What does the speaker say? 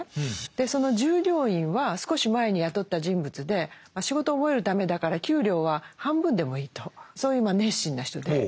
その従業員は少し前に雇った人物で仕事を覚えるためだから給料は半分でもいいとそういう熱心な人で。